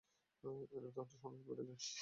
এতে তার সন্দেহ বেড়ে যায়।